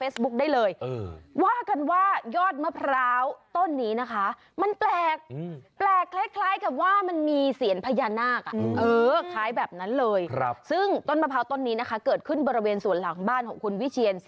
สุดยอดเดียวไม่พอสุดยอดพร้าว